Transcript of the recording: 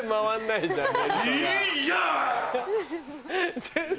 いや！